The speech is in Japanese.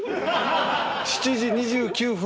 ７時２９分